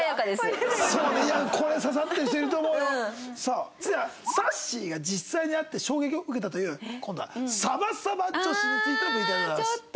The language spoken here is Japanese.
さあ続いてはさっしーが実際に会って衝撃を受けたという今度はサバサバ女子についてのＶＴＲでございます。